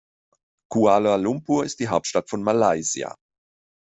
Kuala Lumpur ist die Hauptstadt von Malaysia.